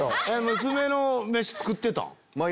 娘のメシ作ってたん？